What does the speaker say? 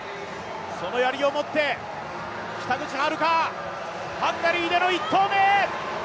そのやりをもって、北口榛花ハンガリーでの１投目。